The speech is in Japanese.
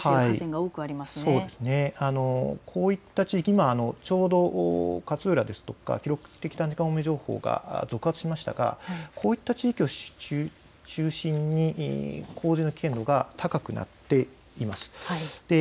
こういった地域、今、ちょうど勝浦ですとか記録的短時間大雨情報など続発しましたがこういった地域を中心に危険度が高くなっています。